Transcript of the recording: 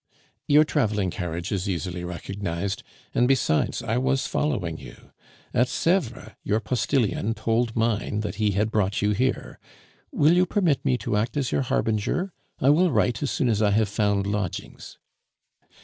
"Your traveling carriage is easily recognized; and, besides, I was following you. At Sevres your postilion told mine that he had brought you here. Will you permit me to act as your harbinger? I will write as soon as I have found lodgings."